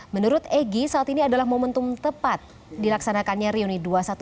menurut egy saat ini adalah momentum tepat dilaksanakannya reuni dua ratus dua belas